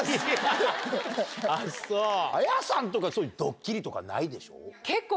ＡＹＡさんとかそういうドッキリとかないでしょ？